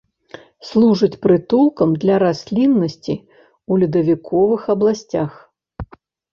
Служыць прытулкам для расліннасці ў ледавіковых абласцях.